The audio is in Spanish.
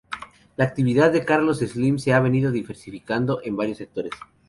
La actividad de Carlos Slim se ha venido diversificando en varios sectores.